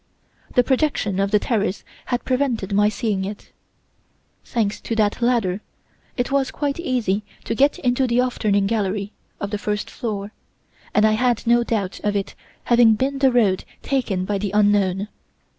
The projection of the terrace had prevented my seeing it. Thanks to that ladder, it was quite easy to get into the 'off turning' gallery of the first floor, and I had no doubt of it having been the road taken by the unknown.